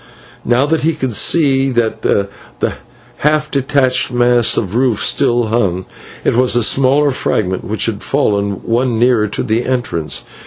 Now he could see that the half detached mass of the roof still hung; it was a smaller fragment which had fallen, one nearer to the entrance.